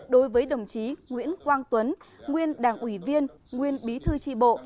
đối với đồng chí nguyễn quang tuấn nguyên đảng ủy viên nguyên bí thư tri bộ